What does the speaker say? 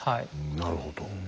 なるほど。